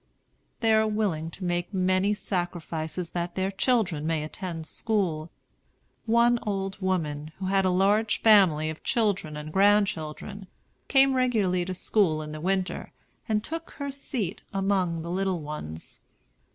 They are willing to make many sacrifices that their children may attend school. One old woman, who had a large family of children and grandchildren, came regularly to school in the winter, and took her seat among the little ones.